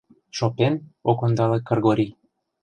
— Шопен, — ок ондале Кыргорий.